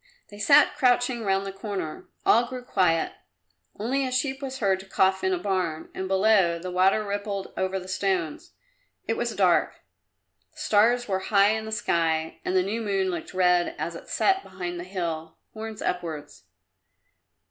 They sat crouching round the corner. All grew quiet; only a sheep was heard to cough in a barn, and below, the water rippled over the stones. It was dark; the stars were high in the sky and the new moon looked red as it set behind the hill, horns upwards.